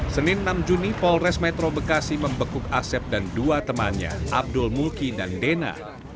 senin enam juni polres metro bekasi membekuk asep dan dua temannya abdul mulki dan dena